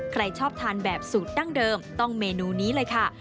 ใครชอบทานแบบสูตรดั้งเดิมต้องเมนูนี้เลยค่ะ